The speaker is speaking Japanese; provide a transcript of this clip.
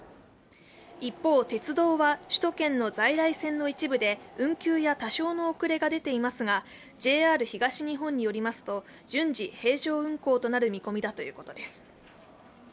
一方、鉄道は首都圏の在来線の一部で運休や多少の遅れが出ていますがＪＲ東日本によりますと順次平常運行となる見込みだということです。